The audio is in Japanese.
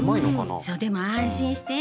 そうでも安心して。